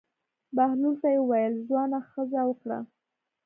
بهلول ته یې وویل: ځوانه ښځه وکړه.